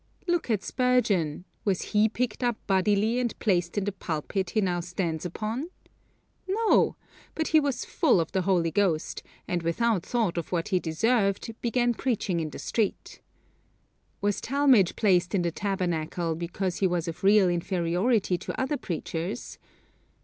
Look at Spurgeon; was he picked up bodily and placed in the pulpit he now stands upon? No, but he was full of the Holy Ghost, and without thought of what he deserved began preaching in the street. Was Talmage placed in the Tabernacle because he was of real inferiority to other preachers.